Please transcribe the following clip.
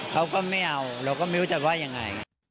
เขาก็ไม่เอาเราก็ไม่รู้จะว่ายังไง